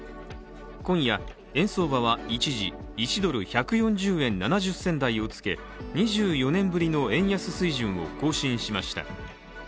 今夜、円相場は一時１ドル＝１４０円７０銭台をつけ２４年ぶりの円安水準を更新しました。